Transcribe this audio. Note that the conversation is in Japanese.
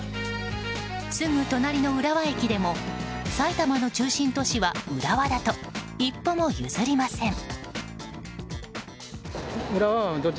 すぐ隣の浦和駅でも埼玉の中心都市は浦和だと一歩も譲りません。